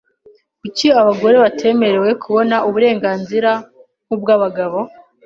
Kuki abagore batemerewe kubona uburenganzira nkubw'abagabo?